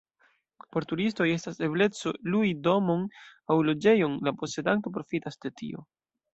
Por turistoj estas ebleco lui domon aŭ loĝejon, la posedanto profitas de tio.